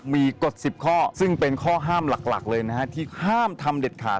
มีกฎ๑๐ข้อซึ่งเป็นข้อห้ามหลักเลยนะฮะที่ห้ามทำเด็ดขาด